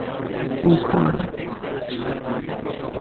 بوکان